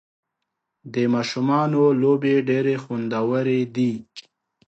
د ماشومانو لوبې ډېرې خوندورې دي.